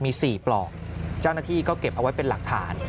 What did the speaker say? มี๔ปลอกเจ้าหน้าที่ก็เก็บเอาไว้เป็นหลักฐาน